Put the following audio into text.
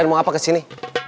denny gak kesini